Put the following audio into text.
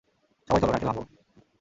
সবাই, চলো, নারকেল ভাঙ্গবো।